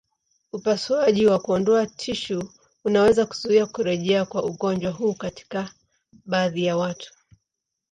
Upasuaji wa kuondoa tishu unaweza kuzuia kurejea kwa ugonjwa huu katika baadhi ya watu.